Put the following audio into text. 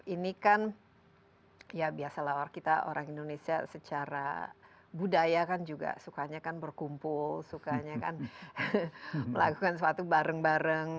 ini kan ya biasalah kita orang indonesia secara budaya kan juga sukanya kan berkumpul sukanya kan melakukan sesuatu bareng bareng